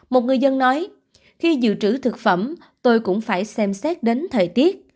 một người dân nói khi dự trữ thực phẩm tôi cũng phải xem xét đến thời tiết